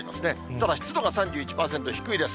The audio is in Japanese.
ただ湿度が３１％、低いです。